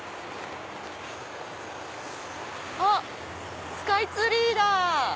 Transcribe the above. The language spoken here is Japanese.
あっスカイツリーだ！